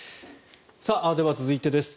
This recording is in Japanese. では、続いてです。